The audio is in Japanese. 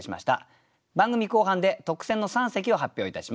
番組後半で特選の三席を発表いたします。